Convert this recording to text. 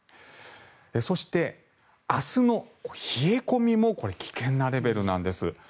そして、明日の冷え込みも危険なレベルなんです。